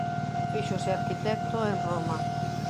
Fíxose arquitecto en Roma.